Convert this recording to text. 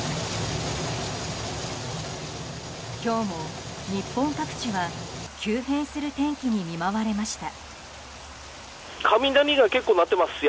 今日も日本各地は急変する天気に見舞われました。